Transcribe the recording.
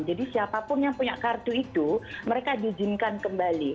jadi siapapun yang punya kartu itu mereka diizinkan kembali